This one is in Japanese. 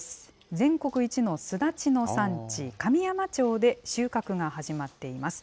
全国一のすだちの産地、神山町で収穫が始まっています。